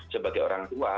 sebagai orang tua